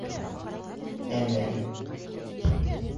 ӘМЕР